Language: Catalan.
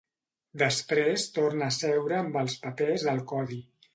Després torna a seure amb els papers del codi.